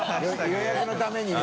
予約のためにね。